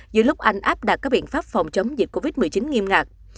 giữa lúc anh áp đặt các biện pháp phòng chống dịch covid một mươi chín nghiêm ngặt